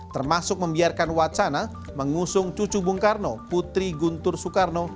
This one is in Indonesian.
termasuk membiarkan wacana mengusung cucu bungkarno putri guntur soekarno